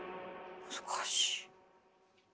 難しい。